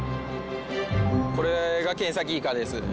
これがケンサキイカです。